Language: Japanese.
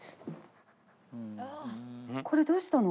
これどうしたの？